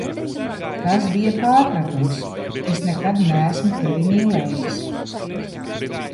Tas bija pārpratums, es nekad neesmu Tevi mīlējis!